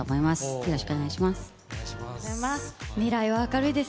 よろしくお願いします。